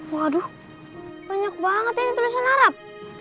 waduh banyak banget ini tulisan arab